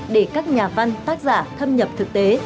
để các nhà văn tác giả thâm nhập thực tế